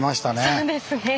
そうですね。